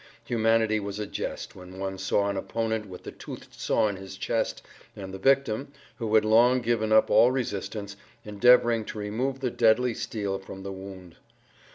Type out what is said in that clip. Humanity was a jest when one saw an opponent with the toothed saw in his chest and the victim, who had long given up all resistance, endeavoring to remove the deadly steel from the wound.